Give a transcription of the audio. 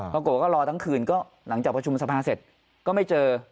ปรากฏว่าก็รอทั้งคืนก็หลังจากประชุมสภาเสร็จก็ไม่เจอ